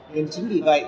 nên chính vì vậy